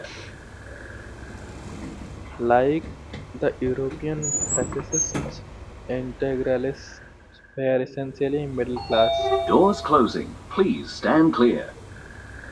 Like the European fascists, Integralists were essentially middle class.